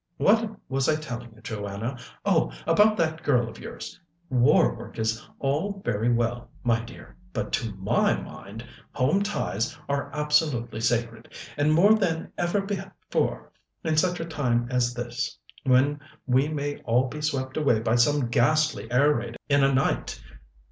What was I telling you, Joanna? Oh, about that girl of yours. War work is all very well, my dear, but to my mind home ties are absolutely sacred, and more than ever before in such a time as this, when we may all be swept away by some ghastly air raid in a night.